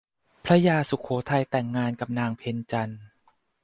พระยาสุโขทัยแต่งงานกับนางเพ็ญจันทร์